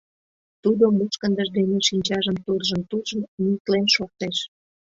Тудо мушкындыж дене шинчажым туржын-туржын, нюслен шортеш.